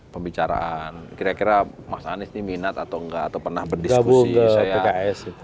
pembicaraan kira kira mas anies ini minat atau enggak atau pernah berdiskusi